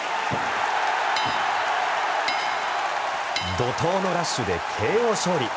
怒とうのラッシュでＫＯ勝利。